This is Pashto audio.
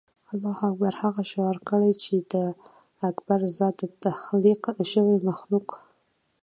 الله اکبر هغه شعار کړي چې د اکبر ذات د تخلیق شوي مخلوق.